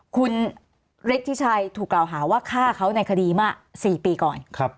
คุณฤทธิชัยถูกกล่าวหาว่าฆ่าเขาในคดีเมื่อ๔ปีก่อน